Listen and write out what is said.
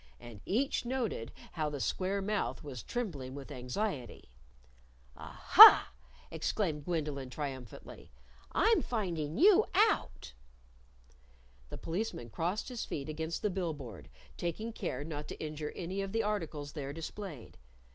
And each noted how the square mouth was trembling with anxiety. "Ah ha!" exclaimed Gwendolyn, triumphantly. "I'm finding you out!" The Policeman crossed his feet against the bill board, taking care not to injure any of the articles there displayed.